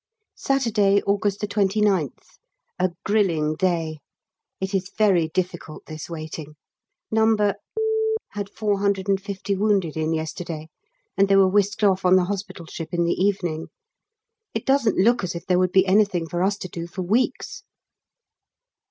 Saturday, August 29th. A grilling day. It is very difficult, this waiting. No. had 450 wounded in yesterday, and they were whisked off on the hospital ship in the evening. It doesn't look as if there would be anything for us to do for weeks.